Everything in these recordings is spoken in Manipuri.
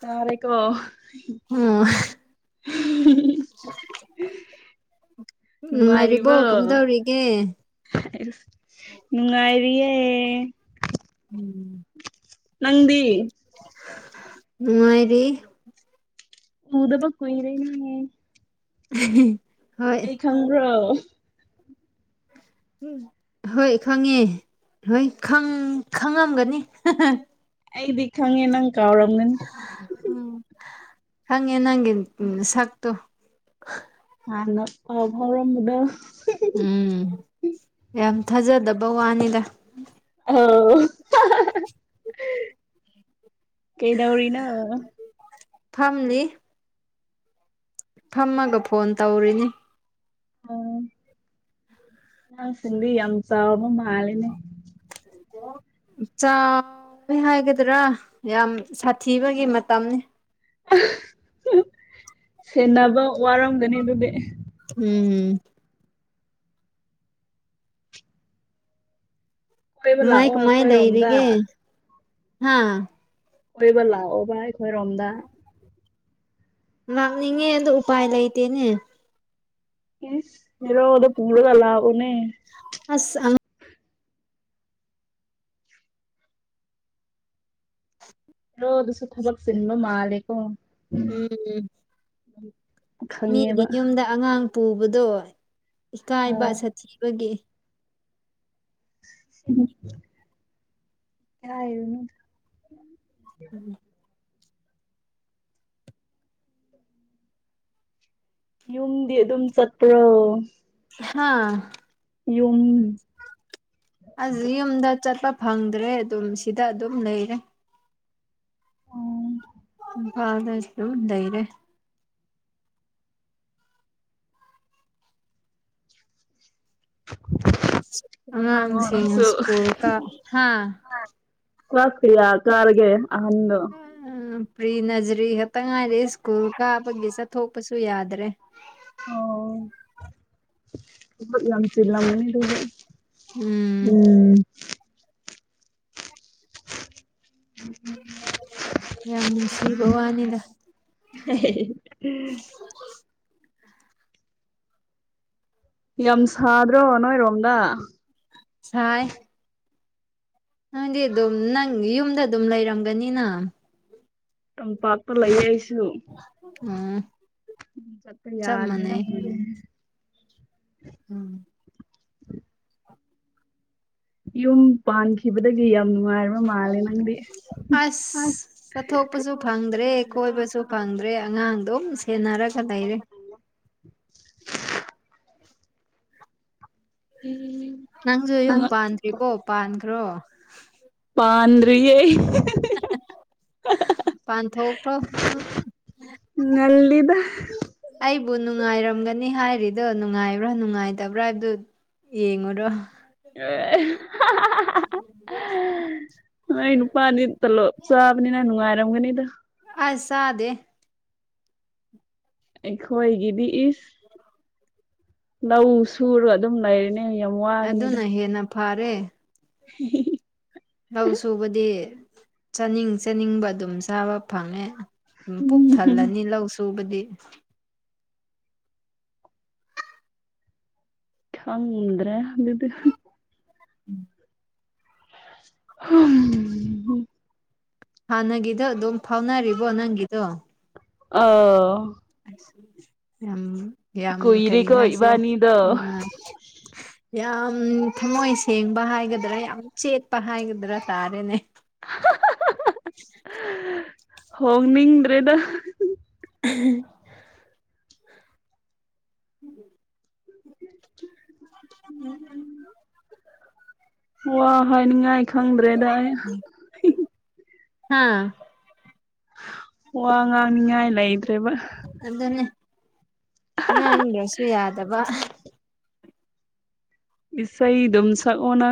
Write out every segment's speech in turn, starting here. ꯇꯥꯔꯦꯀꯣ ꯑꯣ ꯅꯨꯡꯉꯥꯏꯔꯤꯕꯣ ꯅꯨꯡꯉꯥꯏꯔꯤꯕ ꯀꯔꯝꯗꯧꯔꯤꯒꯦ ꯅꯨꯡꯉꯥꯏꯔꯤꯌꯦ [inaudible] ꯅꯪꯗꯤ ꯅꯨꯡꯉꯥꯏꯔꯤ ꯎꯗꯕ ꯀꯨꯏꯔꯦꯅꯦ꯫ ꯍꯣꯏ꯫ ꯑꯩ ꯈꯪꯕ꯭ꯔꯣ꯫ ꯎꯝ ꯍꯣꯏ ꯈꯪꯉꯦ ꯍꯣꯏ ꯈꯪ ꯈꯪꯉꯝꯒꯅꯤ꯫ ꯑꯩꯗꯤ ꯈꯪꯉꯦ ꯅꯪ ꯀꯥꯎꯔꯝꯒꯅꯤ꯫ ꯎꯝ ꯈꯪꯉꯦ ꯅꯪꯒꯤ ꯁꯛꯇꯨ꯫ ꯍꯥꯟꯅ ꯄꯧ ꯐꯧꯔꯝꯕꯗꯨ ꯎꯝ ꯌꯥꯝ ꯊꯥꯖꯗꯕ ꯋꯥꯅꯤꯗ꯫ ꯑ [inaudible] ꯀꯩꯗꯧꯔꯤꯅꯣ꯫ ꯐꯝꯂꯤ꯫ ꯐꯝꯃꯒ ꯐꯣꯟ ꯇꯧꯔꯤꯅꯤ꯫ ꯑ ꯑꯉꯥꯡꯁꯤꯗꯤ ꯌꯥꯝ ꯆꯥꯎꯔꯕ ꯃꯥꯜꯂꯤꯅꯤ [unintelligible] ꯆꯥꯎꯋꯦ ꯍꯥꯏꯒꯗ꯭ꯔꯥ ꯌꯥꯝ ꯁꯥꯊꯤꯕꯒꯤ ꯃꯇꯝꯅꯤ꯫ ꯁꯦꯟꯅꯕ ꯋꯥꯔꯝꯒꯅꯤ ꯑꯗꯨꯗꯤ꯫ ꯎꯝ꯫ ꯀꯣꯏꯕ ꯀꯃꯥꯏ ꯂꯥꯛꯑꯣ ꯀꯃꯥꯏ ꯑꯩꯈꯣꯏꯔꯣꯝꯗ ꯂꯩꯔꯤꯒꯦ ꯍꯥꯥ꯫ ꯀꯣꯏꯕ ꯂꯥꯛꯑꯣꯕ ꯑꯩꯈꯣꯏꯔꯣꯝꯗ꯫ ꯂꯥꯛꯅꯤꯡꯉꯦ ꯑꯗꯨ ꯎꯄꯥꯏ ꯂꯩꯇꯦꯅꯦ꯫ ꯏꯁ ꯍꯦꯔꯣꯗꯣ ꯄꯨꯔꯒ ꯂꯥꯛꯑꯣꯅꯦ꯫ ꯑꯁ ꯍꯦꯔꯣꯗꯨꯁꯨ ꯊꯕꯛ ꯆꯤꯟꯕ ꯃꯥꯂꯦꯀꯣ꯫ ꯎꯝ꯫ ꯎꯝ꯫ ꯃꯤꯒꯤ ꯌꯨꯝꯗ ꯑꯉꯥꯡ ꯄꯨꯕꯗꯣ ꯏꯀꯥꯏꯕ ꯁꯥꯊꯤꯕꯒꯤ꯫ ꯏꯀꯥꯏꯔꯨꯅꯨꯗ ꯎꯝ꯫ ꯌꯨꯝꯗꯤ ꯑꯗꯨꯝ ꯆꯠꯄ꯭ꯔꯣ꯫ ꯍꯥꯥ꯫ ꯌꯨꯝ꯫ ꯑꯁ ꯌꯨꯝꯗ ꯆꯠꯄ ꯐꯪꯗ꯭ꯔꯦ ꯑꯗꯨꯝ ꯁꯤꯗ ꯑꯗꯨꯝ ꯂꯩꯔꯦ꯫ ꯑꯣ ꯏꯝꯐꯥꯜꯗ ꯑꯗꯨꯝ ꯂꯩꯔꯦ꯫ ꯋꯥ ꯉꯥꯡꯑꯣ ꯑꯉꯥꯡꯁꯤꯡ ꯅꯪꯁꯨ꯫ ꯁ꯭ꯀꯨꯜ ꯀꯥ ꯍꯥ ꯀꯂꯁ ꯀꯌꯥ ꯀꯥꯔꯒꯦ ꯑꯍꯟꯗꯨ ꯎꯝ ꯄ꯭ꯔꯤ ꯅꯖꯔꯤ ꯈꯛꯇ ꯉꯔꯦ ꯁ꯭ꯀꯨꯜ ꯀꯥꯕꯒꯤ ꯆꯠꯊꯣꯛꯄꯁꯨ ꯌꯥꯗ꯭ꯔꯦ꯫ ꯑꯣ ꯌꯥꯝ ꯆꯤꯜꯂꯝꯒꯅꯤ ꯑꯗꯨꯗꯤ ꯎꯝ꯫ [unintelligible] ꯌꯥꯝ ꯅꯨꯡꯁꯤꯕ ꯋꯥꯅꯤꯗ꯫ [unintelligible] ꯌꯥꯝ ꯁꯥꯗ꯭ꯔꯣ ꯅꯣꯏꯔꯣꯝꯗ꯫ ꯁꯥꯏ꯫ ꯅꯪꯗꯤ ꯑꯗꯨꯝ ꯅꯪ ꯌꯨꯝꯗ ꯑꯗꯨꯝ ꯂꯩꯔꯝꯒꯅꯤꯅ꯫ ꯇꯝꯄꯥꯛꯇ ꯂꯩꯌꯦ ꯑꯩꯁꯦ ꯎꯝ ꯆꯠꯄ ꯆꯞ ꯃꯥꯟꯅꯩ ꯌꯥꯗ꯭ꯔꯦꯅꯦ ꯎꯝ ꯌꯨꯝ ꯄꯥꯟꯈꯤꯕꯗꯒꯤ ꯌꯥꯝ ꯅꯨꯡꯉꯥꯏꯔꯕ ꯃꯥꯜꯂꯦ ꯅꯪꯗꯤ ꯑꯁ ꯑ꯭ꯁ ꯆꯠꯊꯣꯛꯄꯁꯨ ꯐꯪꯗ꯭ꯔꯦ ꯀꯣꯏꯕꯁꯨ ꯐꯪꯗ꯭ꯔꯦ ꯑꯉꯥꯡꯗꯨꯝ ꯁꯦꯟꯅꯔꯒ ꯂꯩꯔꯦ [inaudible] [inaudible] ꯎꯝ [unintelligible] ꯅꯪꯁꯨ ꯌꯨꯝ ꯅꯪ ꯄꯥꯟꯗ꯭ꯔꯤꯕꯣ ꯄꯥꯟꯈ꯭ꯔꯣ ꯄꯥꯟꯗ꯭ꯔꯤꯌꯦ ꯑꯩ ꯄꯥꯟꯊꯣꯛꯈ꯭ꯔꯣ ꯉꯜꯂꯤꯗ ꯑꯩꯕꯨ ꯅꯨꯡꯉꯥꯏꯔꯝꯒꯅꯤ ꯍꯥꯏꯔꯤꯗꯣ ꯅꯨꯡꯉꯥꯏꯕ꯭ꯔꯥ ꯅꯨꯡꯉꯥꯏꯇꯕ꯭ꯔꯥ ꯍꯥꯏꯕꯗꯨ ꯌꯦꯡꯉꯔꯣ ꯑꯦ [unintelligible] ꯎꯝ [unintelligible] ꯅꯣꯏ ꯅꯨꯄꯥꯗꯤ ꯇꯣꯂꯣꯞ ꯆꯥꯕꯅꯤꯅ ꯅꯨꯡꯉꯥꯏꯔꯝꯒꯅꯤꯗ ꯑ꯭ꯁ ꯆꯥꯗꯦ ꯑꯩꯈꯣꯏꯒꯤꯗꯤ ꯏ꯭ꯁ ꯂꯧ ꯁꯨꯔꯒ ꯑꯗꯨꯝ ꯂꯩꯔꯤꯅꯤ ꯑꯗꯨꯅ ꯍꯦꯟꯅ ꯐꯔꯦ ꯎ [unintelligible] ꯂꯧ ꯁꯨꯕꯗꯤ ꯆꯥꯅꯤꯡ ꯆꯥꯅꯤꯡꯕ ꯑꯗꯨꯝ ꯆꯥꯕ ꯐꯪꯉꯦ ꯎ ꯄꯨꯛ ꯎꯝ ꯊꯜꯂꯅꯤ ꯂꯧ ꯁꯨꯕꯗꯤ ꯈꯪꯗ꯭ꯔꯦ ꯑꯗꯨꯗꯤ ꯎꯝ [unintelligible] ꯎ [unintelligible] ꯍꯥꯟꯅꯒꯤꯗꯣ ꯑꯗꯨꯝ ꯐꯥꯎꯅꯔꯤꯕꯣ ꯅꯪꯒꯤꯗꯣ ꯑꯧ ꯌꯥꯝ ꯌꯥꯝ ꯀꯔꯤ ꯀꯨꯏꯔꯦꯀꯣ ꯍꯥꯏꯁꯤꯔꯥ ꯏꯕꯥꯅꯤꯗꯣ ꯎꯝ ꯌꯥꯝ ꯊꯝꯃꯣꯏ ꯁꯦꯡꯕ ꯍꯥꯏꯒꯗ꯭ꯔꯥ ꯌꯥꯝ ꯆꯦꯠꯄ ꯍꯥꯏꯒꯗ꯭ꯔꯥ ꯇꯥꯔꯦꯅꯦ ꯍꯣꯡꯅꯤꯡꯗ꯭ꯔꯦꯗ ꯎꯝ [unintelligible] [inaudible] ꯋꯥ ꯍꯥꯏꯅꯤꯡꯉꯥꯏ ꯈꯪꯗ꯭ꯔꯦꯗ ꯑꯩ ꯍꯥꯥ ꯋꯥ ꯉꯥꯡꯅꯤꯡꯉꯥꯏ ꯂꯩꯇ꯭ꯔꯦꯕ ꯑꯗꯨꯅꯦ ꯉꯥꯡꯗ꯭ꯔꯁꯨ ꯌꯥꯗꯕ ꯏꯁꯩꯗꯨꯝ ꯁꯛꯑꯣꯅ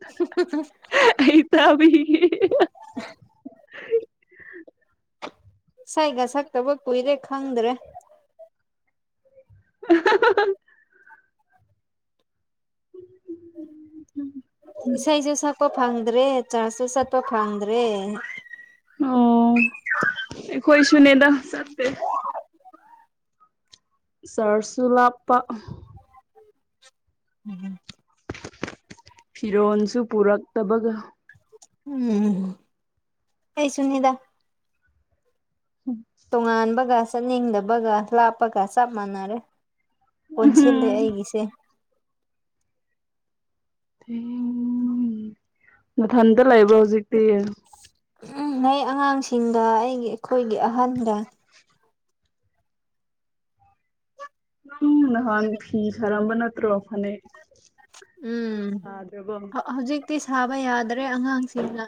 [inaudible] ꯍ [unintelligible] ꯇꯃꯤ [unintelligible] [inaudible] ꯏꯁꯩꯒ ꯁꯛꯇꯕ ꯀꯨꯏꯔꯦ ꯈꯪꯗ꯭ꯔꯦ [unintelligible] ꯎꯝ ꯏꯁꯩꯁꯨ ꯁꯛꯄ ꯐꯪꯗ꯭ꯔꯦ ꯆꯥ꯭ꯔꯖꯁꯨ ꯆꯠꯄ ꯐꯪꯗ꯭ꯔꯦ ꯑꯣ ꯑꯩꯈꯣꯏꯁꯨꯅꯦꯗ ꯆꯠꯇꯦ ꯆꯥ꯭ꯔꯖꯁꯨ ꯂꯥꯞꯄ [unintelligible] ꯐꯤꯔꯣꯟꯁꯨ ꯄꯨꯔꯛꯇꯕꯒ ꯎꯝ ꯑꯩꯁꯨꯅꯤꯗ [inaudible] ꯇꯣꯉꯥꯟꯕꯒ ꯆꯠꯅꯤꯡꯗꯕꯒ ꯂꯥꯞꯄꯒ ꯆꯞ ꯃꯥꯟꯅꯔꯦ ꯄꯨꯟꯁꯤꯜꯂꯦ ꯑꯩꯒꯤꯁꯦ [unintelligible] ꯅꯊꯟꯇ ꯂꯩꯕ꯭ꯔꯣ ꯍꯧꯖꯤꯛꯇꯤ ꯎꯝ ꯂꯩ ꯑꯉꯥꯡꯁꯤꯡꯒ ꯑꯩꯒꯤ ꯑꯩꯈꯣꯏꯒꯤ ꯑꯍꯟꯒ [unintelligible] ꯅꯍꯥꯟ ꯐꯤ ꯁꯥꯔꯝꯕ ꯅꯠꯇ꯭ꯔꯣ ꯐꯅꯦꯛ ꯎꯝ ꯁꯥꯗ꯭ꯔꯕꯣ ꯍꯧꯖꯤꯛꯇꯤ ꯁꯥꯕ ꯌꯥꯗ꯭ꯔꯦ ꯑꯉꯥꯡꯁꯤꯡꯅ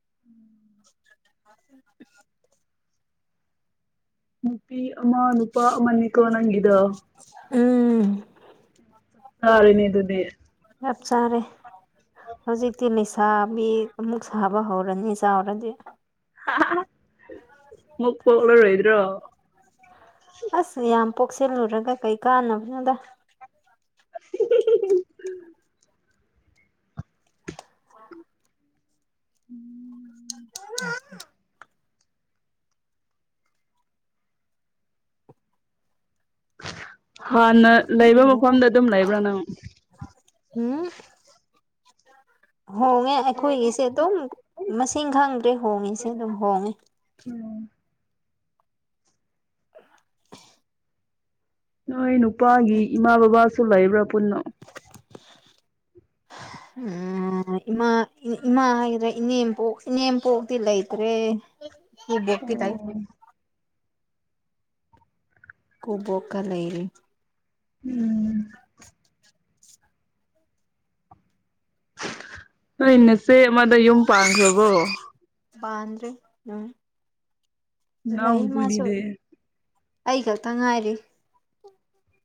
[inaudible] [inaudible] ꯅꯨꯄꯤ ꯑꯃ ꯅꯨꯄꯥ ꯑꯃꯅꯤ ꯀꫭ ꯅꯪꯒꯤꯗꫭ ꯎꯝ [unintelligible] ꯑꯗꯨꯗꯤ ꯆꯞ ꯆꯥꯔꯦ ꯍꯧꯖꯤꯛꯇꯤ ꯂꯩꯁꯥꯕꯤ ꯑꯃꯨꯛ ꯁꯥꯕ ꯍꯧꯔꯅꯤ ꯆꯥꯎꯔꯗꯤ [unintelligible] ꯃꯨꯛ ꯄꯣꯛꯂꯔꯣꯏꯗ꯭ꯔꯣ ꯑꯁ ꯌꯥꯝ ꯄꯣꯛꯁꯜꯂꯨꯔꯒ ꯀꯩ ꯀꯥꯟꯅꯞꯅꯣꯗ [unintelligible] [inaudible] ꯍꯥꯟꯅ ꯂꯩꯕ ꯃꯐꯝꯗ ꯑꯗꯨꯝ ꯂꯩꯕ꯭ꯔ ꯅꯪ ꯍꯨꯝ ꯍꯣꯡꯉꯦ ꯑꯩꯈꯣꯏꯒꯤꯁꯦ ꯑꯗꯨꯝ ꯃꯁꯤꯡ ꯈꯪꯗ꯭ꯔꯦ ꯍꯣꯡꯉꯤꯁꯦ ꯑꯗꯨꯝ ꯍꯣꯡꯉꯦ ꯎꯝ ꯅꯣꯏ ꯅꯨꯄꯥꯒꯤ ꯏꯃꯥ ꯕꯕꯥꯁꯨ ꯂꯩꯕ꯭ꯔ ꯄꯨꯟꯅ ꯎꯝ ꯏꯃꯥ ꯏꯃꯥ [unintelligible] ꯏꯅꯦꯝ ꯄꯣꯛ ꯏꯅꯦꯝꯄꯣꯛꯇꯤ ꯂꯩꯇ꯭ꯔꯦ ꯏꯀꯨꯕꯣꯛꯇꯤ ꯂꯩ [inaudible] ꯏꯀꯨꯕꯣꯛꯀ ꯂꯩꯔꯤ ꯎꯝ ꯅꯣꯏ ꯅꯆꯦ ꯑꯃꯗꫭ ꯌꯨꯝ ꯄꯥꯟꯈ꯭ꯔꯕꯣ ꯄꯥꯟꯗ꯭ꯔꯤ ꯎꯝ ꯂꯩ ꯃꯥꯁꯨ ꯏꯅꯥꯎꯄꯨꯗꯤꯗꯤ ꯑꯩ ꯈꯛꯇ ꯉꯥꯏꯔꯤ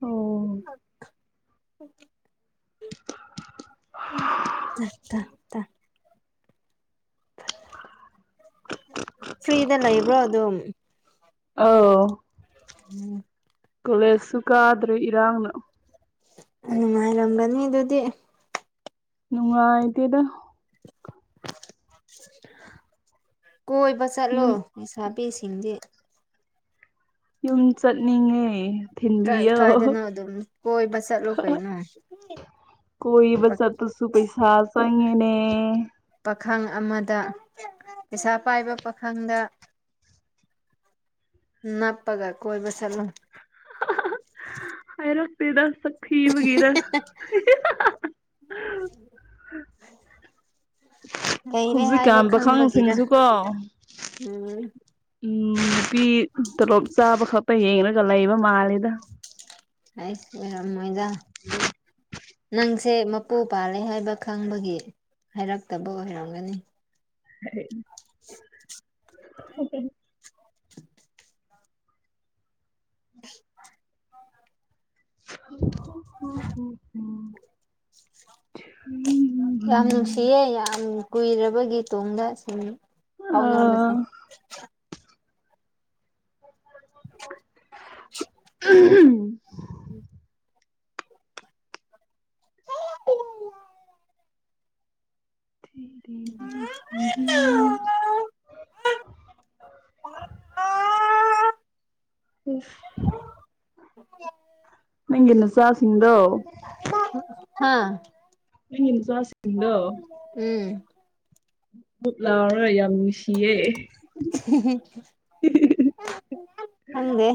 ꯑꯣ [inaudible] [unintelligible] ꯇ ꯇ ꯇ ꯐ꯭ꯔꯤꯗ ꯂꯩꯕ꯭ꯔꯣ ꯑꯗꯨꯝ ꯑꯧ [inaudible] ꯀꯣꯂꯦꯖ ꯁꯨ ꯀꯥꯗ꯭ꯔꯤ ꯏꯔꯥꯡꯅ ꯅꯨꯡꯉꯥꯏꯔꯝꯒꯅꯤ ꯑꯗꯨꯗꯤ ꯅꯨꯡꯉꯥꯏꯇꯦꯗ ꯀꯣꯏꯕ ꯆꯠꯂꯣ ꯌꯨꯝ ꯂꯩꯁꯥꯕꯤꯁꯤꯡꯗꯤ ꯌꯨꯝ ꯆꯠꯅꯤꯡꯉꯦ ꯀꯥꯏ ꯊꯤꯟꯕꯤꯌꯣ ꯀꯥꯏꯗꯅꯣ ꯑꯗꯨꯝ ꯀꯣꯏꯕ ꯆꯠꯂꯨ ꯀꯩꯅꯣ꯫ ꯀꯣꯏꯕ ꯆꯠꯄꯁꯨ ꯄꯩꯁꯥ ꯆꯪꯉꯦꯅꯦ꯫ ꯄꯥꯈꯪ ꯑꯃꯗ ꯄꯩꯁꯥ ꯄꯥꯏꯕ ꯄꯥꯈꯪꯗ ꯅꯞꯄꯒ ꯀꯣꯏꯕ ꯆꯠꯂꯨ ꯍꯥꯏꯔꯛꯇꯦꯗ ꯁꯛ ꯊꯤꯕꯒꯤꯔ [unintelligible] ꯂꯩꯔꯦ ꯍꯥꯏꯕ ꯍꯧꯖꯤꯛꯀꯥꯟ ꯈꯪꯕꯒꯤꯔ ꯄꯥꯈꯪꯁꯤꯡꯁꯨ ꯀꯣ ꯎꯝ ꯎꯝ ꯅꯨꯄꯤ ꯇꯣꯂꯣꯞ ꯆꯥꯕ ꯈꯛꯇ ꯌꯦꯡꯂꯒ ꯂꯩꯕ ꯃꯥꯜꯂꯤꯗ ꯍꯩꯁ ꯑꯣꯢꯔꯝꯃꯣꯢꯗ [inaudible] ꯅꯪꯁꯦ ꯃꯄꯨ ꯄꯥꯜꯂꯦ ꯍꯥꯏꯕ ꯈꯪꯕꯒꯤ ꯍꯥꯏꯔꯛꯇꯕ ꯑꯣꯏꯔꯝꯒꯅꯤ [unintelligible] [unintelligible] ꯍ ꯍ ꯍ [unintelligible] ꯌꯥꯝ ꯅꯨꯡꯁꯤꯌꯦ ꯌꯥꯝ ꯀꯨꯏꯔꯕꯒꯤ ꯇꯨꯡꯗ ꯁꯨꯝ ꯐꯥꯎꯅꯕꯁꯦ ꯑꯥ [inaudible] [unintelligible] [inaudible] [unintelligible] [unintelligible] ꯅꯪꯒꯤ ꯅꯆꯥꯁꯤꯡꯗꯣ ꯍꯥꯥ ꯅꯪꯒꯤ ꯅꯆꯥꯁꯤꯡꯗꯣ ꯎꯝ ꯕꯨꯞ ꯂꯥꯎꯔ ꯌꯥꯝ ꯅꯨꯡꯁꯤꯌꯦ ꯍꯤ-ꯍꯤ ꯈꯪꯗꯦ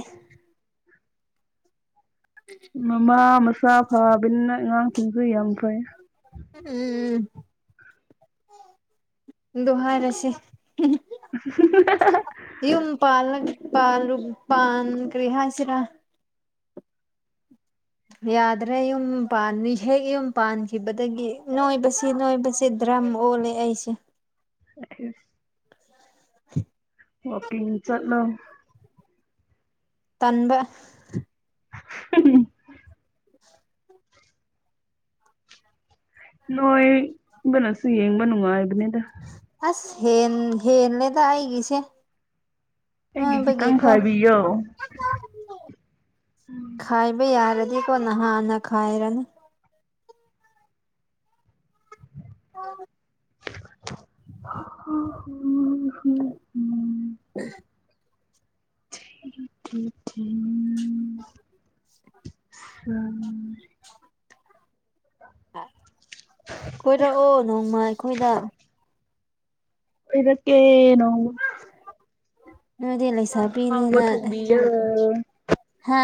ꯃꯃꯥ ꯃꯆꯥ ꯐꯕꯅꯤꯅ ꯑꯉꯥꯡꯁꯤꯡꯁꯨ ꯌꯥꯝ ꯐꯩ ꯎꯝ ꯗꯨ ꯍꯥꯏꯔꯁꯤ [inaudible] ꯌꯨꯝ ꯄꯥꯜꯂꯛ ꯄꯥꯜꯂꯨꯞ ꯄꯥꯟ ꯀꯔꯤ ꯍꯥꯏꯁꯤꯔꯥ ꯌꯥꯗ꯭ꯔꯦ ꯌꯨꯝ ꯄꯥꯟꯅꯤ ꯍꯦꯛ ꯌꯨꯝ ꯄꯥꯟꯈꯤꯕꯗꯒꯤ ꯅꯣꯏꯕꯁꯤ-ꯅꯣꯏꯕꯁꯤ ꯗ꯭ꯔꯝ ꯑꯣꯜꯂꯦ ꯑꯩꯁꯦ [unintelligible] [inaudible] ꯋꯥꯀꯤꯡ ꯆꯠꯂꯣ ꯇꯟꯕ ꯅꯣꯏ--ꯕꯅꯁꯨ ꯌꯦꯡꯕ ꯅꯨꯡꯉꯥꯏꯕꯅꯤꯗ ꯑꯁ ꯍꯦꯟ ꯍꯦꯜꯂꯦꯗꯥ ꯑꯩꯒꯤꯁꯦ ꯑꯩꯒꯤ ꯈꯤꯇꯪ ꯅꯣꯏꯕꯒꯤꯀꯣ ꯈꯥꯏꯕꯤꯌꯣ ꯈꯥꯏꯕ ꯌꯥꯔꯗꯤꯀꯣ ꯅꯥꯍꯥꯟꯅ ꯈꯥꯏꯔꯅꯤ [unintelligible] [inaudible] ꯊꯤ ꯊꯤ-ꯊꯤ [inaudible] [unintelligible] ꯀꯣꯏꯔꯛꯑꯣ ꯅꯣꯡꯃ ꯑꯩꯈꯣꯏꯗ ꯀꯣꯏꯔꯛꯀꯦ ꯅꯣꯡꯃ ꯅꯣꯏꯗꯤ ꯏꯟꯖꯥꯡ ꯑꯍꯥꯎꯕ ꯂꯩꯁꯥꯕꯤꯅꯤꯅ ꯊꯣꯡꯕꯤꯌꫭ ꯍꯥ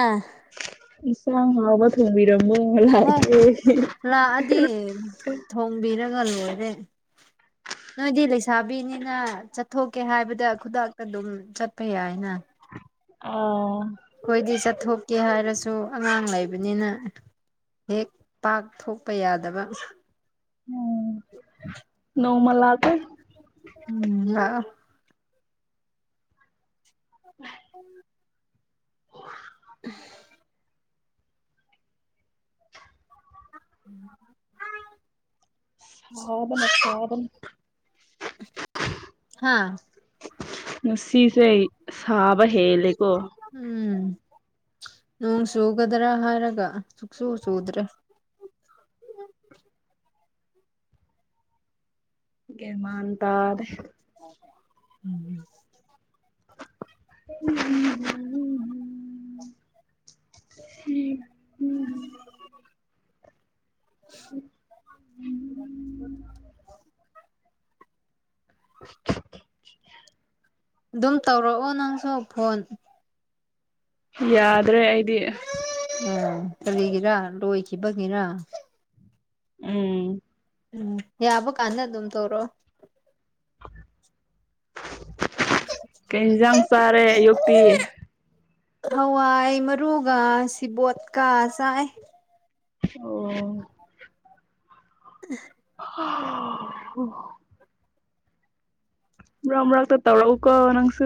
ꯏꯟꯁꯥꯡ ꯍꯥꯎꯕ ꯊꯣꯡꯕꯤꯔꯝꯃꯨ ꯍꯣꯏ ꯂꯥꯛꯀꯦ ꯂꯥꯛꯑꯗꯤ ꯊꯣꯡꯕꯤꯔꯒ ꯂꯣꯏꯔꯦ ꯅꯣꯏꯗꯤ ꯂꯩꯁꯥꯕꯤꯅꯤꯅꯥ ꯆꯠꯊꯣꯛꯀꯦ ꯍꯥꯏꯕꯗ ꯈꯨꯗꯛꯇ ꯑꯗꯨꯝ ꯆꯠꯄ ꯌꯥꯏꯅ ꯑ ꯑꯈꯣꯏꯗꯤ ꯆꯠꯊꯣꯛꯀꯦ ꯍꯥꯏꯔꯁꯨ ꯑꯉꯥꯡ ꯂꯩꯕꯅꯤꯅ ꯍꯦꯛ ꯄꯥꯛ ꯊꯣꯛꯄ ꯌꯥꯗꯕ [unintelligible] [inaudible] ꯅꯣꯡꯃ ꯂꯥꯛꯀꯦ ꯎꯝ ꯂꯥꯛꯑꯣ [inaudible] [inaudible] [inaudible] ꯁꯥꯕꯅ ꯁꯥꯕꯅ ꯍꯥꯥ ꯉꯁꯤꯁꯦ ꯁꯥꯕ ꯍꯦꯜꯂꯦꯀꯣ ꯎꯝ ꯅꯣꯡ ꯆꯨꯒꯗ꯭ꯔ ꯍꯥꯏꯔꯒ ꯁꯨꯡꯆꯨ ꯆꯨꯗ꯭ꯔꯦ ꯒꯦꯟ ꯃꯥꯟ ꯇꯥꯗꯦ [unintelligible] [unintelligible] [unintelligible] [inaudible] ꯗꯨꯝ ꯇꯧꯔꯛꯑꯣ ꯅꯪꯁꯨ ꯐꯣꯟ ꯌꯥꯗ꯭ꯔꯦ ꯑꯩꯗꯤ [unintelligible] ꯀꯔꯤꯒꯤꯔ ꯂꯣꯏꯈꯤꯕꯒꯤꯔ ꯎꯝ ꯎꯝ ꯌꯥꯕ ꯀꯥꯟꯗ ꯑꯗꯨꯝ ꯇꯧꯔꯛꯑꯣ ꯀꯩ ꯍꯤꯟꯖꯥꯡ ꯆꯥꯔꯦ ꯑꯌꯨꯛꯇꯤ ꯍꯋꯥꯏ ꯃꯔꯨꯒ ꯁꯤꯕꯣꯠꯀ ꯆꯥꯏ ꯑꯣ [unintelligible] [unintelligible] ꯃꯔꯛ ꯃꯔꯛꯇ ꯇꯧꯔꯛꯎꯀꯣ ꯅꯪꯁꯨ